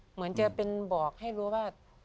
เหมือนจะเป็นบอกให้รู้ว่า